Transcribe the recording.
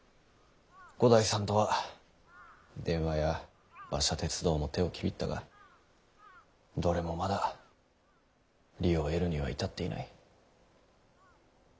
五代さんとは電話や馬車鉄道も手をきびったがどれもまだ利を得るには至っていない。